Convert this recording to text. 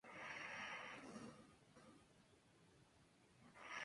Vive en los ríos y las montañas húmedas de clima tropical o subtropical.